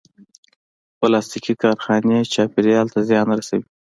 پلاستيکي کارخانې چاپېریال ته زیان رسوي.